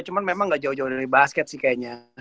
cuman memang ga jauh jauh dari basket sih kayaknya